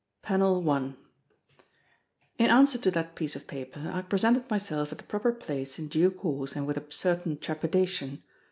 PANEL I In answer to that piece of paper, I presented myself at the proper place in due course and with a certain trepidation.